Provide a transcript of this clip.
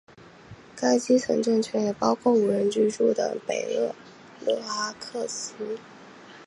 该基层政权也包括无人居住的北厄勒哈克斯。